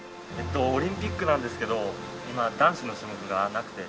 オリンピックなんですけど今男子の種目がなくて。